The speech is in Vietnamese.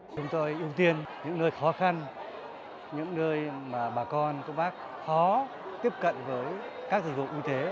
chúng tôi ưu tiên những nơi khó khăn những nơi mà bà con các bác khó tiếp cận với các dịch vụ y tế